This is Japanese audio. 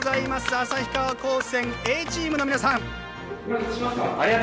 旭川高専Ａチームの皆さん。